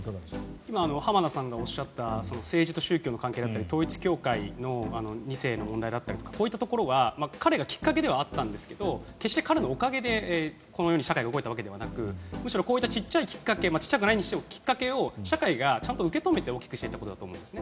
今、浜田さんがおっしゃった政治と宗教の関係だったり統一教会の２世の問題とかこういったところは彼がきっかけではあったんですが決して、彼のおかげでこのように社会が動いたわけではなくむしろこういった小さいきっかけ小さくはないですが社会がちゃんと受け止めて大きくしていったことだと思うんですね。